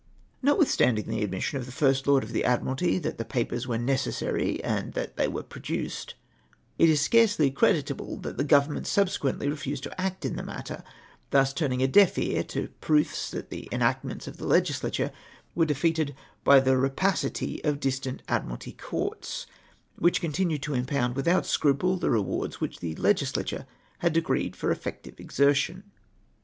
Notwithstanding the admission of the First Lord of the Admiralty that the papers were necessary, and that they w^ere produced, it is scarcely creditable that the Government subsequently refused to act in the matter, thus turning a deaf ear to proofs that the enactments of the Legislature were defeated by the rapacity of distant Admiralty Courts, which conthiued to impomid without scruple the rewards which the Legislature had decreed for effective exertion.